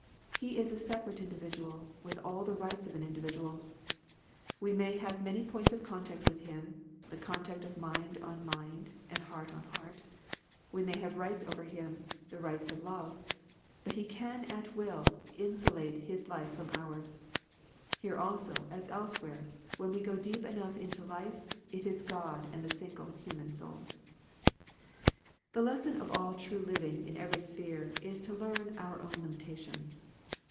He is a separate individual, with all the rights of an individual. We may have many points of contact with him, the contact of mind on mind, and heart on heart; we may even have rights over him, the rights of love; but he can at wiU insulate his life from ours. Here also, as elsewhere when we go deep enough into life, it is God and the single human souL The lesson of all true living in every sphere is to learn our own limitations.